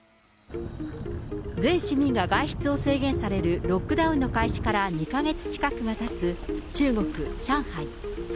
全市民が外出を制限されるロックダウンの開始から２か月近くがたつ、中国・上海。